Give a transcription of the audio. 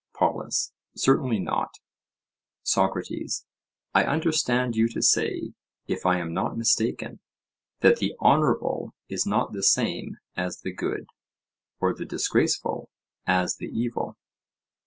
POLUS: Certainly not. SOCRATES: I understand you to say, if I am not mistaken, that the honourable is not the same as the good, or the disgraceful as the evil?